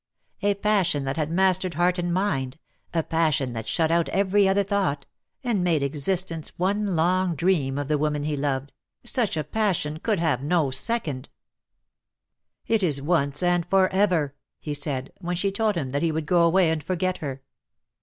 A passion that had mastered heart and mind, a passion that shut out every other thought, and made existence one long dream of the woman he loved, such a passion could have no second. DEAD LOVE HAS CHAINS. 67 "It is once and for ever," he said, when she told him that he would go away and forget her.